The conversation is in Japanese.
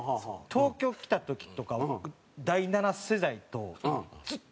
東京来た時とかは僕第７世代とずっと戦って。